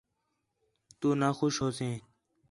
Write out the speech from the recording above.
تُو نا خوش ہوسیں